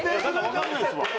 わかんないですわ。